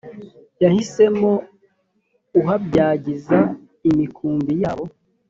yahisemo kuhabyagiza imikumbi yabo